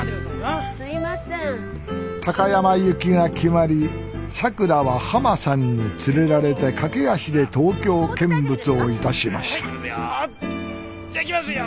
高山行きが決まりさくらははまさんに連れられて駆け足で東京見物をいたしましたじゃいきますよ。